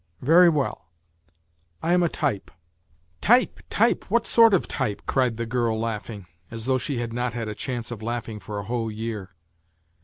" Very well, I am a type !"" Type, type ! What sort of type ?" cried the girl, laughing, as though she had not had a chance of laughing for a whole year.